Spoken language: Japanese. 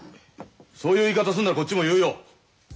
そういう言い方するならこっちも言うよ。